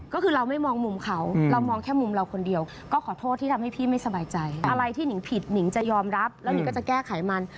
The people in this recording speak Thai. ก็คือเราไม่มองมุมเขาเรามองแค่มุมเราคนเดียวก็ขอโทษที่ทำให้พี่ไม่สบายใจอะไรที่หนิงผิดหนิงจะยอมรับแล้วนิงก็จะแก้ไขมัน